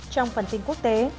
trong phần tin quốc tế